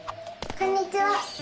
こんにちは！